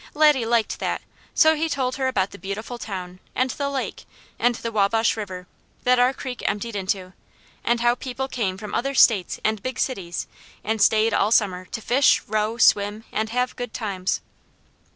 Laddie liked that, so he told her about the beautiful town, and the lake, and the Wabash River, that our creek emptied into, and how people came from other states and big cities and stayed all summer to fish, row, swim, and have good times.